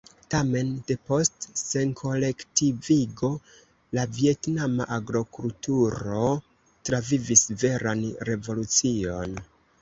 Tamen, depost senkolektivigo, la vjetnama agrokulturo travivis veran revolucion.